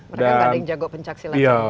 mereka kan yang jago pencaksila